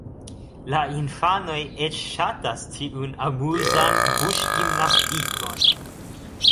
La infanoj eĉ ŝatas tiun amuzan buŝgimnastikon.